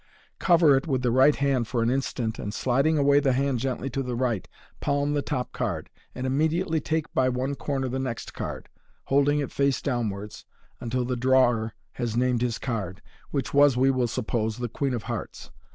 Cover it with the right hand for an instant, and, sliding away the hand gently to the right, palm the top card, and immediately take by one corner the next card, holding it face downwards until the drawer has named his card, which was, we will suppose, the queen of hearts.